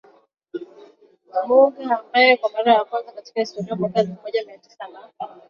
Muga ambaye kwa mara ya kwanza katika historia mwaka elfu moja mia tisini na